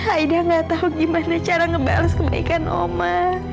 aida gak tau gimana cara ngebalas kebaikan oma